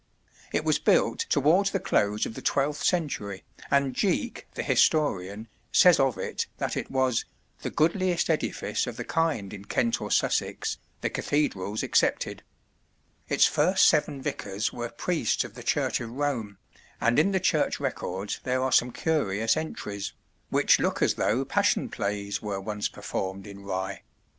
It was built towards the close of the twelfth century, and Jeake, the historian, says of it that it was "the goodliest edifice of the kind in Kent or Sussex, the cathedrals excepted." Its first seven vicars were priests of the Church of Rome, and in the church records there are some curious entries, which look as though Passion plays were once performed in Rye.